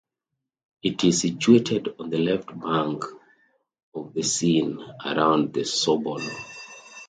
It is situated on the left bank of the Seine, around the Sorbonne.